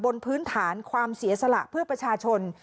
บนพื้นฐานความเสียสละเพื่อประชาชน